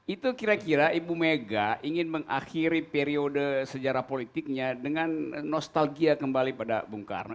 itu kira kira ibu mega ingin mengakhiri periode sejarah politiknya dengan nostalgia kembali pada bung karno